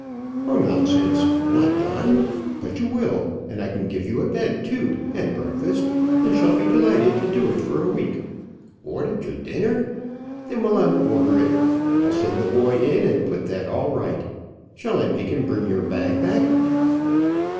Oh, nonsense! not dine; but you will, and I can give you a bed too, and breakfast, and shall be delighted to do it for a week. Ordered your dinner? Then we'll unorder it. I'll send the boy in and put that all right. Shall I make him bring your bag back?"